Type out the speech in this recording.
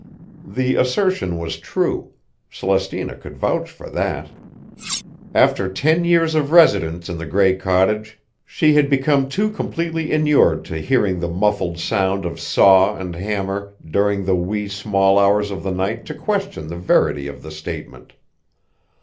The assertion was true; Celestina could vouch for that. After ten years of residence in the gray cottage she had become too completely inured to hearing the muffled sound of saw and hammer during the wee small hours of the night to question the verity of the statement.